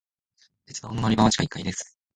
鉄道の乗り場は地下一階です。